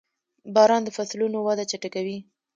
• باران د فصلونو وده چټکوي.